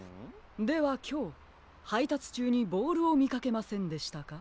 ではきょうはいたつちゅうにボールをみかけませんでしたか？